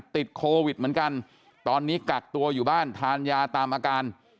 ติดโควิดเหมือนกันตอนนี้กักตัวอยู่บ้านทานยาตามอาการ